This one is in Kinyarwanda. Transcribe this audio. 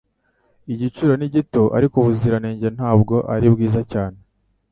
Igiciro ni gito ariko ubuziranenge ntabwo ari bwiza cyane